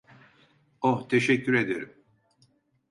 Oh, teşekkür ederim.